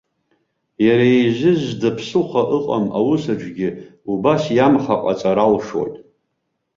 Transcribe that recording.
Иара изы зда ԥсыхәа ыҟам аус аҿгьы убас иамхаҟаҵар алшоит.